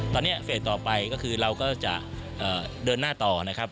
ตอนนี้เฟสต่อไปก็คือเราก็จะเดินหน้าต่อนะครับ